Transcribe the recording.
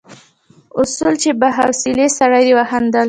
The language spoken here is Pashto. اصولي چې با حوصله سړی دی وخندل.